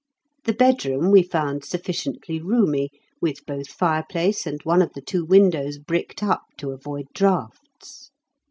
The bedroom we found sufficiently roomy, with both fireplace and one of the two windows bricked up to avoid draughts.